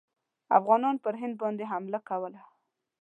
افغانانو پر هند باندي حمله کوله.